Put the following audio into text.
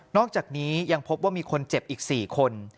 อกจากนี้ยังพบว่ามีคนเจ็บอีก๔คน